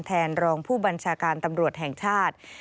แทนรองผู้บัญชาการตำรวจแห่งชาติ